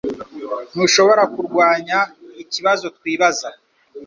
Ntushobora kurwanya ikibazo twibaza